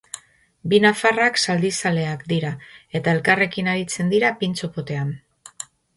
Bi nafarrak zaldizaleak dira, eta elkarrekin aritzen dira pintxo-potean.